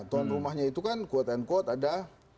tuan rumahnya itu kan quote unquote ada